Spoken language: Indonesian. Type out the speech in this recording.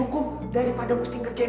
emang kamu datang ke mana you